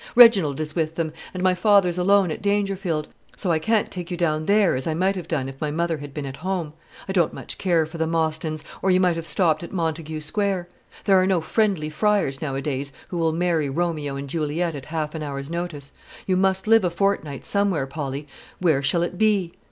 Reginald is with them, and my father's alone at Dangerfield. So I can't take you down there, as I might have done if my mother had been at home; I don't much care for the Mostyns, or you might have stopped in Montague Square. There are no friendly friars nowadays who will marry Romeo and Juliet at half an hour's notice. You must live a fortnight somewhere, Polly: where shall it be?"